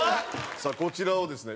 さあこちらをですね